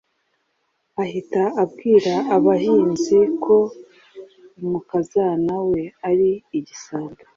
ahita abwira abahinzi ko umukazana we ari igisambo